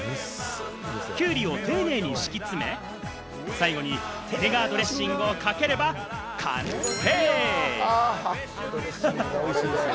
きゅうりを丁寧に敷き詰め、最後にビネガードレッシングをかければ完成。